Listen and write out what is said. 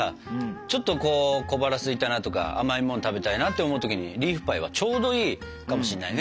ちょっと小腹すいたなとか甘いもの食べたいなって思う時にリーフパイはちょうどいいかもしれないね。